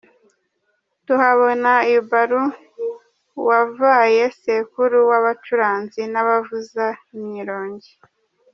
Tuhabona Yubalu wabaye sekuruza w’abacuranzi n’abavuza imyironge.